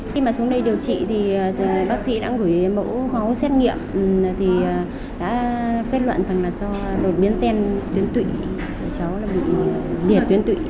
khi mà xuống đây điều trị thì bác sĩ đã gửi mẫu khó xét nghiệm thì đã kết luận rằng là cho đột biến gen tuyến tụy cháu là bị điệt tuyến tụy